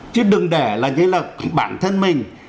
chứ đừng để là như là bản thân mình